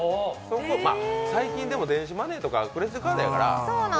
最近は電子マネーとかクレジットカードやから。